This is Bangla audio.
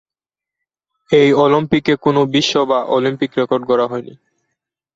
এই অলিম্পিকে কোনো বিশ্ব বা অলিম্পিক রেকর্ড গড়া হয়নি।